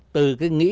từ cái nghĩ